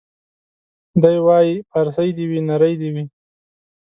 دی وايي پارسۍ دي وي نرۍ دي وي